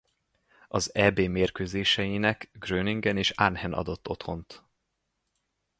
Az Eb mérkőzéseinek Groningen és Arnhem adott otthont.